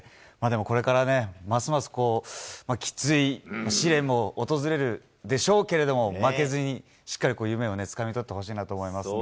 これからますます、きつい試練も訪れるでしょうけど負けずにしっかり夢をつかみ取ってほしいと思いますね。